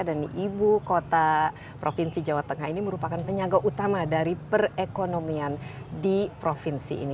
dan ibu kota provinsi jawa tengah ini merupakan penyangga utama dari perekonomian di provinsi ini